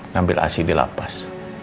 nambil asyik dilapas